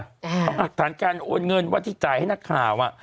เพราะหลักฐานการโอนเงินว่าที่จ่ายให้นักข่าว